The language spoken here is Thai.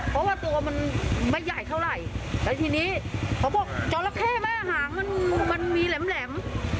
เพราะว่าตัวมันไม่ใหญ่เท่าไหร่แล้วทีนี้เขาบอกจอระเข้แม่หางมันมันมีแหลม